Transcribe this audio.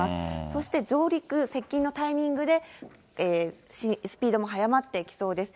そして上陸、接近のタイミングで、スピードも速まっていきそうです。